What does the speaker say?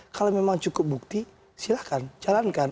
kalau memang cukup bukti silahkan jalankan